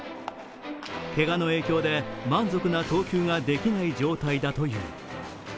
けがの影響で、満足な投球ができない状態だという。